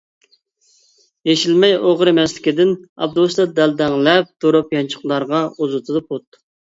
يېشىلمەي ئوغرى مەستلىكىدىن ئاپتوبۇستا دەلدەڭلەپ تۇرۇپ يانچۇقلارغا ئۇزىتىدۇ پۇت.